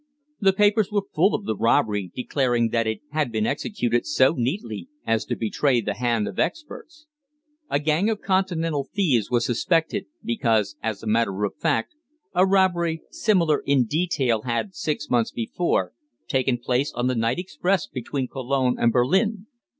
The papers were full of the robbery, declaring that it had been executed so neatly as to betray the hand of experts. A gang of Continental thieves was suspected, because, as a matter of fact, a robbery similar in detail had, six months before, taken place on the night express between Cologne and Berlin.